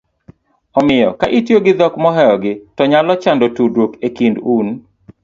omiyo ka itiyo gi dhok mohewogi to nyalo chando tudruok e kind un